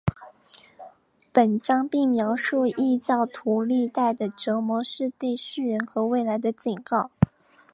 本章并描述异教徒历代的折磨是对世人和未来的警告。